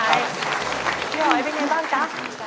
พี่หอยก็เป็นยังบ้างคะ